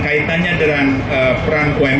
kaitannya dengan daya tahan